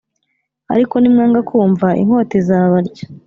Ariko nimwanga kumva inkota izabarya